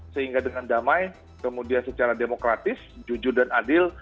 sehingga dengan damai kemudian secara demokratis jujur dan adil